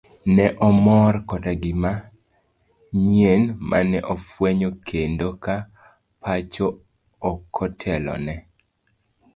Ne omor koda gima nyien mane ofwenyo kendo ka pacho okotelone.